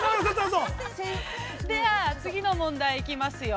では、次の問題行きますよ。